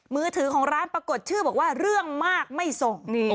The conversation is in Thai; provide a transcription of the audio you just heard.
มือถือของร้านปรากฏชื่อบอกว่าเรื่องมากไม่ส่ง